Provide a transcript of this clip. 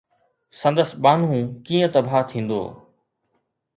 سندس ٻانهو ڪيئن تباهه ٿيندو؟